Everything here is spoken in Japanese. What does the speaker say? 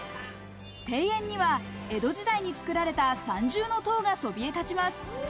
庭園には江戸時代に作られた三重塔がそびえ立ちます。